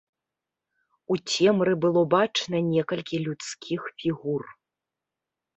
У цемры было бачна некалькі людскіх фігур.